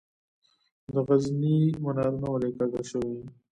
د غزني منارونه ولې کږه شوي؟